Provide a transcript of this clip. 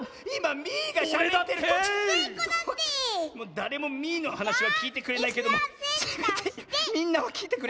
だれもミーのはなしはきいてくれないけどせめてみんなはきいてくれ。